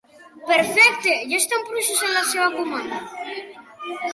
Perfecte, ja estem processant la seva comanda.